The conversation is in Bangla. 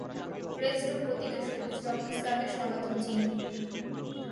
ক্রেস্ট ও প্রতীকের সবুজ রঙ ইসলামের সনাতন চিহ্ন।